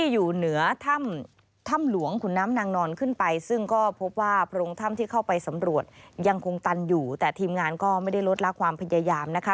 ยังคงตันอยู่แต่ทีมงานก็ไม่ได้ลดลากความพยายามนะคะ